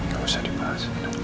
gak usah dibahas